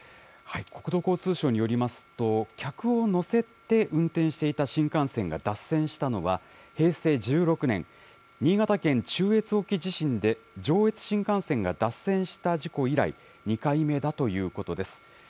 国土交通省によりますと、客を乗せて運転していた新幹線が脱線したのは、平成１６年、新潟県中越沖地震で上越新幹線が脱線した事故以来、２回目だということです。